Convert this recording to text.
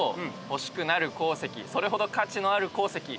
それほど価値のある鉱石。